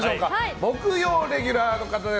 木曜レギュラーの方です。